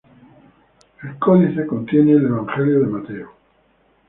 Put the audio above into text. El codice contiene el Evangelio de Mateo.